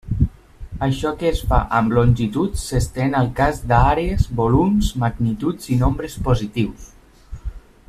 Això que es fa amb longituds, s'estén al cas d'àrees, volums, magnituds i nombres positius.